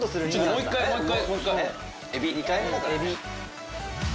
もう一回もう一回！